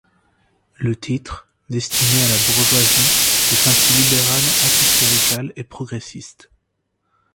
Le titre, destiné à la bourgeoisie, est ainsi libéral, anticlérical et progressiste.